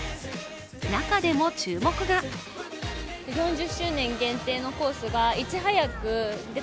中でも注目が人気